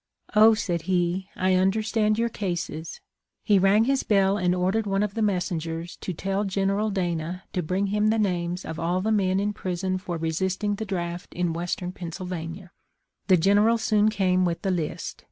'Oh,' said he, ' I understand your cases.' He rang his bell and ordered one of the messengers to tell General Dana to bring him the names of all the men in prison for resisting the draft in western Pennsyl vania. The General soon came with the list.